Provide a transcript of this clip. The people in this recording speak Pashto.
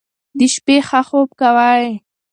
د شپې ښه خوب کوئ.